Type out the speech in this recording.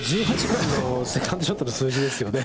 １８番のセカンドショットの数字ですよね。